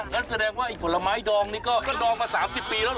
ก็แสดงว่าผลไม้ด่องนี่ก็ด่องมา๓๐ปีแล้วเหรอ